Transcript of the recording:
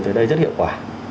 tới đây rất hiệu quả